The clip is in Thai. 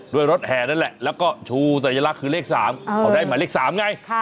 รถแห่นั่นแหละแล้วก็ชูสัญลักษณ์คือเลข๓เขาได้หมายเลข๓ไง